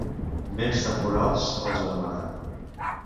Béns temporals, els anomenà.